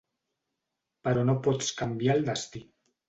Però no pots canviar el destí.